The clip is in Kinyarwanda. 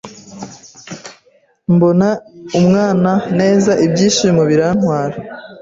mbona umwana neza ibyishimo birantwara